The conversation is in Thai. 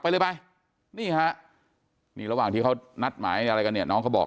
เลยไปนี่ฮะนี่ระหว่างที่เขานัดหมายอะไรกันเนี่ยน้องเขาบอก